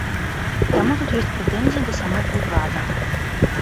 Таму тут ёсць прэтэнзіі да самога ўрада.